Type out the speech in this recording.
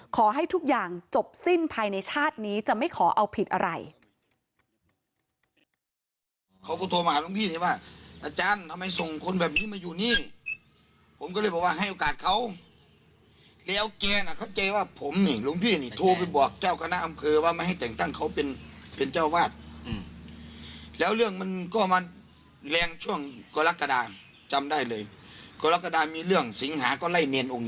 ขอให้ทุกอย่างจบสิ้นภายในชาตินี้จะไม่ขอเอาผิดอะไร